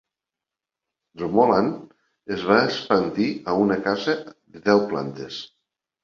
Dromoland es va expandir a una casa de deu plantes.